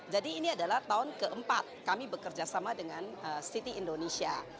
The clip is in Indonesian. jadi ini adalah tahun keempat kami bekerja sama dengan siti indonesia